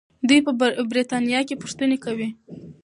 دوی په برتانیا کې پوښتنې کوي.